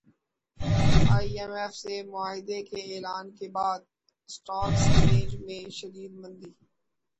ائی M F سے معاہدے کے اعلان کے بعد اسٹاک ایکسچینج میں شدید مندی